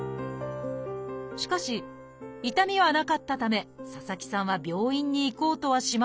しかし痛みはなかったため佐々木さんは病院に行こうとはしませんでした